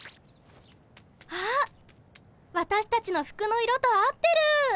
あっわたしたちの服の色と合ってる！